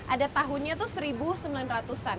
ada tahunnya tuh seribu sembilan ratus an